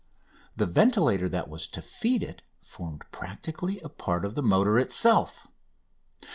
The ventilator that was to feed it formed practically a part of the motor itself.